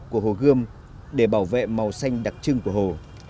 của hồ gươm để bảo vệ màu xanh đặc trưng của hồ